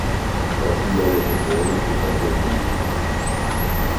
La filiale européenne est basée aux Pays-Bas.